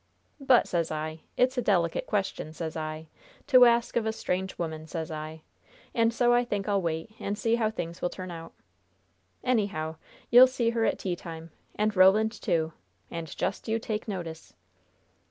But, sez I, it's a delicate question, sez I, to ask of a strange woman, sez I. And so I think I'll wait and see how things will turn out. Anyhow, you'll see her at tea time, and Roland, too, and just you take notice!"